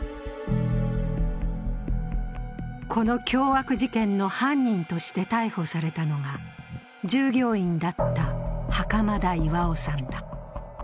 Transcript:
この凶悪事件の犯人として逮捕されたのが従業員だった袴田巌さんだ。